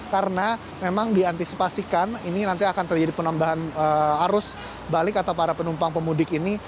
karena memang diantisipasikan ini nanti akan terjadi penambahan arus balik atau para penumpang pemudik ini